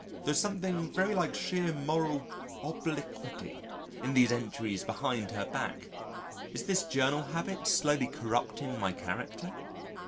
There is something very like sheer moral obliquity in these entries behind her back.... Is this journal habit slowly corrupting my character?